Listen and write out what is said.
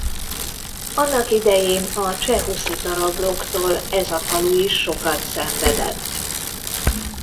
Annak idején a cseh huszita rablóktól ez a falu is sokat szenvedett.